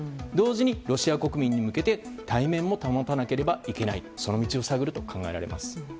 同時にロシア国民に向けて対面も保たなければいけないその道を探るとみられます。